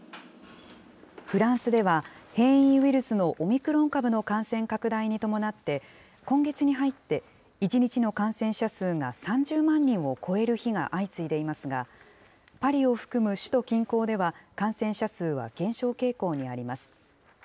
フランスでは変異ウイルスのオミクロン株の感染拡大に伴って今月に入って１日の感染者数が３０万人を超える日が相次いでいますが、パリを含む首都近郊では感染者数は減少傾向にあります。